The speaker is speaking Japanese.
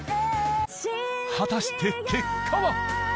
果たして結果は。